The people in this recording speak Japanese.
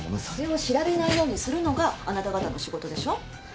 それを知られないようにするのがあなた方の仕事でしょ。